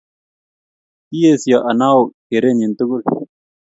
Kiisesio Anao kerenyi tugul